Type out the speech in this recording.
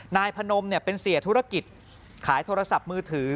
นายพนมเป็นเสียธุรกิจขายโทรศัพท์มือถือ